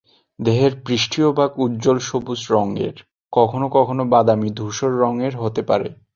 দেহের পৃষ্ঠীয় ভাগ উজ্জ্বল সবুজ রঙের; কখনও কখনও বাদামি-ধূসর রঙের হতে পারে।